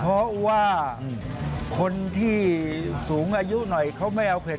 เพราะว่าคนที่สูงอายุหน่อยเขาไม่เอาเผ็